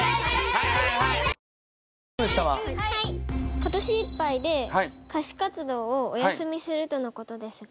今年いっぱいで歌手活動をお休みするとのことですが。